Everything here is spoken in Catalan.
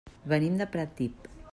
Venim de Pratdip.